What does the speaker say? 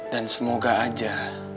dan semoga aja